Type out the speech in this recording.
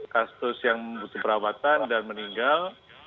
kasus yang membutuhkan perawatan dan meninggal